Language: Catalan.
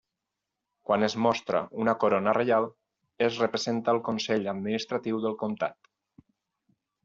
Quan es mostra una corona reial, es representa el Consell Administratiu del Comtat.